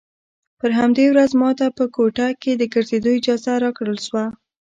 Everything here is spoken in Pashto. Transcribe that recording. پر همدې ورځ ما ته په کوټه کښې د ګرځېدو اجازه راکړل سوه.